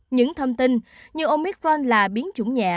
những thông tin như omicron là biến chủng nhẹ